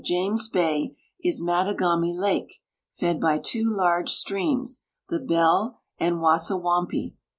lames bajq is Mattagami lake, fed by two large streams, the Bell and W'asawampi.